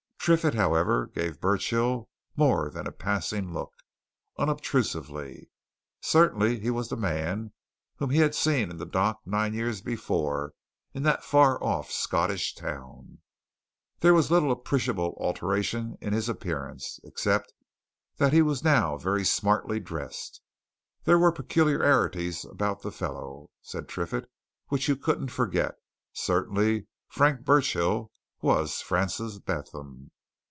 Triffitt, however, gave Burchill more than a passing look unobtrusively. Certainly he was the man whom he had seen in the dock nine years before in that far off Scottish town there was little appreciable alteration in his appearance, except that he was now very smartly dressed. There were peculiarities about the fellow, said Triffitt, which you couldn't forget certainly, Frank Burchill was Francis Bentham.